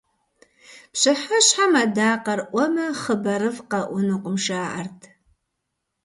Пщыхьэщхьэм адакъэр Ӏуэмэ, хъыбарыфӀ къэӀунукъым жаӀэрт.